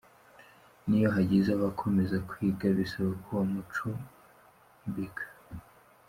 N’iyo hagize abakomeza kwiga bisaba ko bacumbika.